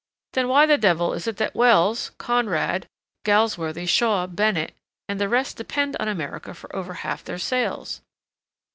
Then why the devil is it that Wells, Conrad, Galsworthy, Shaw, Bennett, and the rest depend on America for over half their sales?"